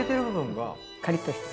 カリッとしてる。